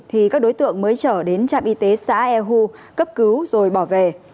thì các đối tượng mới trở đến trạm y tế xã e hu cấp cứu rồi bỏ về